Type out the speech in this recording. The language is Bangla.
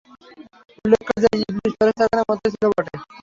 উল্লেখ্য যে, ইবলীস ফেরেশতাগণের মতই ছিল বটে।